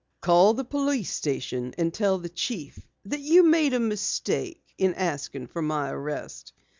"Call the police station and tell the chief that you made a mistake in asking for my arrest."